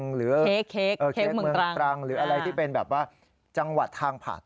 หรือเค้กเมืองตรังหรืออะไรที่เป็นแบบว่าจังหวัดทางผัด